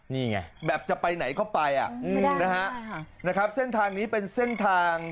นี่ไงไม่ได้แบบจะไปไหนเข้าไปนะครับเส้นทางนี้เป็นเส้นทาง